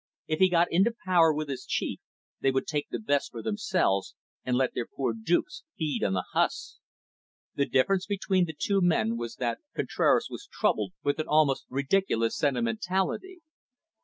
If he got into power with his chief, they would take the best for themselves and let their poor dupes feed on the husks. The difference between the two men was that Contraras was troubled with an almost ridiculous sentimentality.